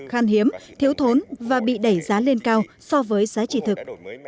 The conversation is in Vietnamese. khan hiếm thiếu thốn và bị đẩy giá lên cao so với giá trị thực